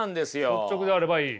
率直であればいい？